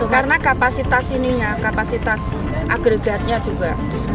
karena kapasitas ini kapasitas agregatnya juga